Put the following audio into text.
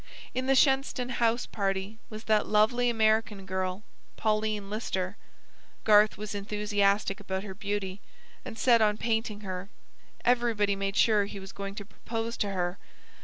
In the Shenstone house party was that lovely American girl, Pauline Lister. Garth was enthusiastic about her beauty, and set on painting her. Everybody made sure he was going to propose to her.